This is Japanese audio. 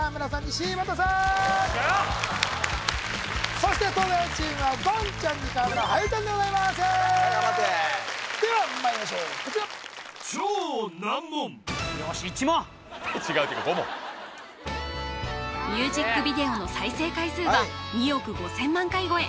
シャッそして東大王チームは言ちゃんに川村はゆちゃんでございます・頑張ってねではまいりましょうこちらよし１問違う違う５問ミュージックビデオの再生回数は２億５０００万回超え